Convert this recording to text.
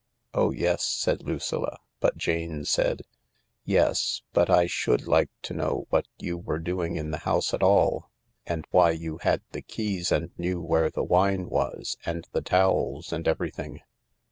Oh yes," said Lucilla, but Jane said :" Yes— but I should like to know what you were doing in the house at all, and why you had the keys and knew where the wine was, and the towels and everything."